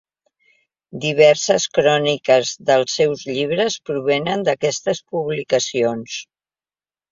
Diverses cròniques dels seus llibres provenen d'aquestes publicacions.